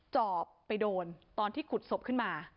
จอบไปโดนตอนที่ขุดศพขึ้นมา